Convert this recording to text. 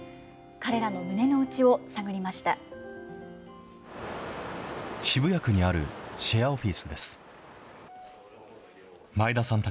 彼らの胸の内を探りました。